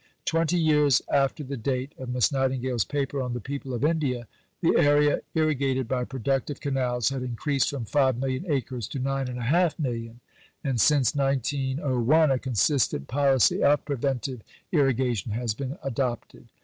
Twenty years after the date of Miss Nightingale's paper on "The People of India," the area irrigated by "productive" canals had increased from 5 million acres to 9 1/2 million, and since 1901 a consistent policy of "preventive" irrigation has been adopted.